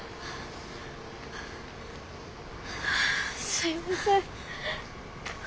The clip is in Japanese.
すいません母が。